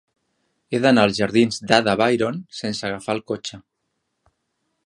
He d'anar als jardins d'Ada Byron sense agafar el cotxe.